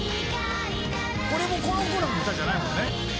これもこの子らの歌じゃないもんね。